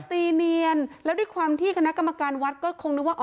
ตีเนียนแล้วด้วยความที่คณะกรรมการวัดก็คงนึกว่า